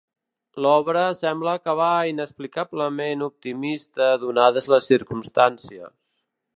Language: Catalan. L'obra sembla acabar inexplicablement optimista donades les circumstàncies.